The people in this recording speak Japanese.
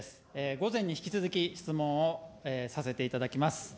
午前に引き続き、質問をさせていただきます。